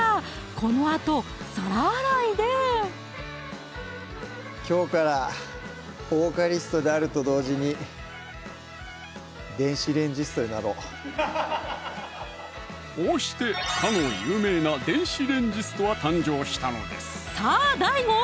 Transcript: このあと皿洗いできょうからボーカリストであると同時にこうしてかの有名な電子レンジストは誕生したのですさぁＤＡＩＧＯ！